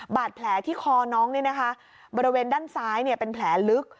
บาดแผลที่คอน้องนี่นะคะบริเวณด้านซ้ายเนี่ยเป็นแผลลึก